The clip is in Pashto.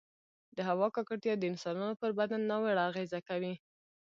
د هـوا ککـړتيـا د انسـانـانو پـر بـدن نـاوړه اغـېزه کـوي